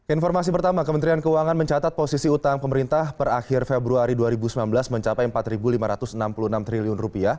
informasi pertama kementerian keuangan mencatat posisi utang pemerintah per akhir februari dua ribu sembilan belas mencapai rp empat lima ratus enam puluh enam triliun